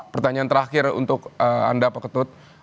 pertanyaan terakhir untuk anda pak ketut